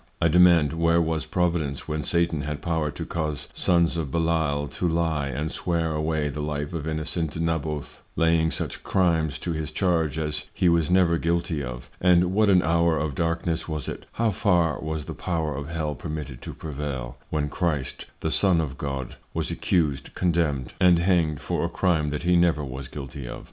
I demand, where was Providence, when Satan had Power to cause Sons of Belial to lye and swear away the Life of innocent Naboth, laying such Crimes to his charge as he was never guilty of? And what an Hour of Darkness was it? How far was the Power of Hell permitted to prevail, when Christ the Son of God was accused, condemned, and hanged for a Crime that he never was guilty of?